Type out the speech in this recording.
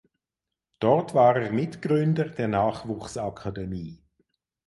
Dort war er Mitgründer der Nachwuchsakademie.